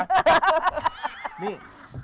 นี่